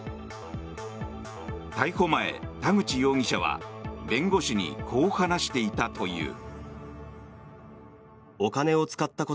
逮捕前、田口容疑者は弁護士にこう話していたという。